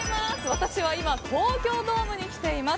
私は今、東京ドームに来ています。